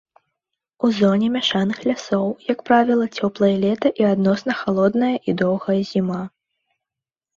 У зоне мяшаных лясоў, як правіла, цёплае лета і адносна халодная і доўгая зіма.